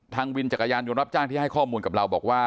วินจักรยานยนต์รับจ้างที่ให้ข้อมูลกับเราบอกว่า